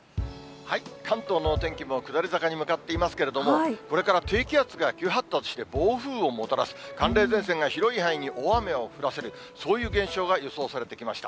関東のお天気も下り坂に向かっていますけれども、これから低気圧が急発達して、暴風をもたらす寒冷前線が広い範囲に大雨を降らせる、そういう現象が予想されてきました。